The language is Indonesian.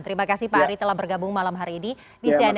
terima kasih pak ari telah bergabung malam hari ini di cnn indonesia